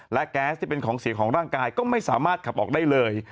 และแก๊สที่เป็นของเสียของร่างกายก็ไม่สามารถขับออกได้เลย